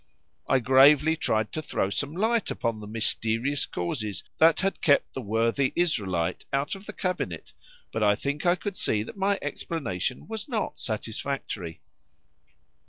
I gravely tried to throw some light upon the mysterious causes that had kept the worthy Israelite out of the Cabinet, but I think I could see that my explanation was not satisfactory.